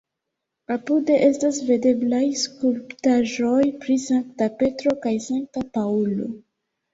Apude estas videblaj skulptaĵoj pri Sankta Petro kaj Sankta Paŭlo.